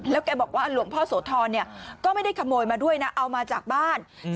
แล้วแกบอกว่าหลวงพ่อโสธรเนี่ยก็ไม่ได้ขโมยมาด้วยนะเอามาจากบ้าน